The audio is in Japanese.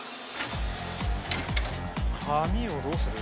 紙をどうする？